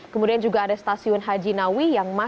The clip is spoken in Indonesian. kemudian juga ada stasiun haji nawi yang